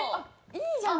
いいじゃん！